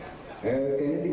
ya kayaknya tidak terlalu banyak